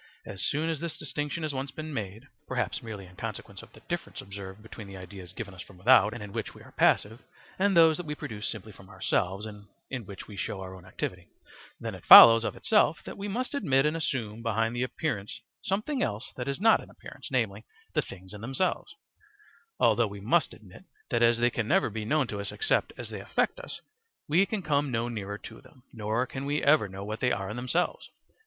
As soon as this distinction has once been made (perhaps merely in consequence of the difference observed between the ideas given us from without, and in which we are passive, and those that we produce simply from ourselves, and in which we show our own activity), then it follows of itself that we must admit and assume behind the appearance something else that is not an appearance, namely, the things in themselves; although we must admit that as they can never be known to us except as they affect us, we can come no nearer to them, nor can we ever know what they are in themselves.